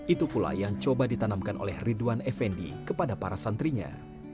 itu pula yang coba ditanamkan oleh ridwan effendi kepada para santrinya